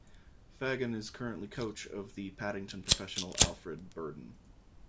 Fagan is currently coach of the Paddington professional Alfred Burden.